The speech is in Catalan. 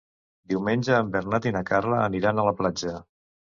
Diumenge en Bernat i na Carla aniran a la platja.